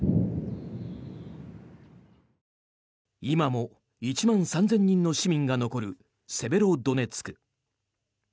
今も１万３０００人の市民が残るセベロドネツク。